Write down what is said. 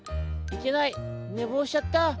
いけないねぼうしちゃった！